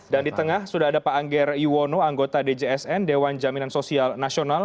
dan di tengah sudah ada pak anggir iwono anggota djsn dewan jaminan sosial nasional